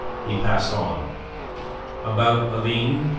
He passed on. "About Aline?"